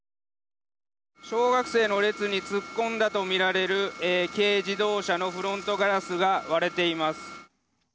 小学生の列に突っ込んだと見られる軽自動車のフロントガラスが割れています。